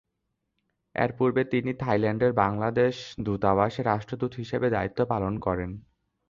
এর পূর্বে তিনি থাইল্যান্ডের বাংলাদেশ দূতাবাসে রাষ্ট্রদূত হিসেবে দায়িত্ব পালন করেন।